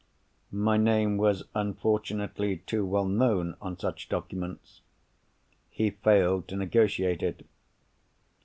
My name was unfortunately too well known on such documents: he failed to negotiate it.